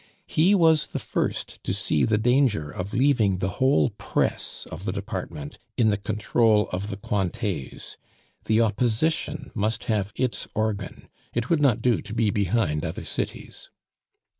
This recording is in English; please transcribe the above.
He was the first to see the danger of leaving the whole press of the department in the control of the Cointets; the Opposition must have its organ; it would not do to be behind other cities.